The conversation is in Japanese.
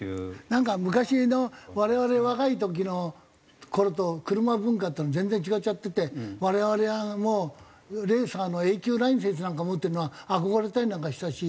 なんか昔の我々若い時の頃と車文化っていうのが全然違っちゃってて我々はもうレーサーのＡ級ライセンスなんか持ってるのは憧れたりなんかしたし。